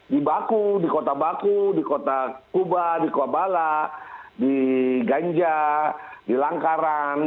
di baku di kota baku di kota kuba di kuabala di ganja di langkaran